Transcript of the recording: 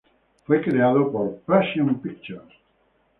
Fue creado por Passion Pictures.